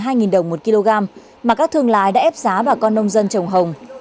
còn hai đồng một kg mà các thương lai đã ép giá bà con nông dân trồng hồng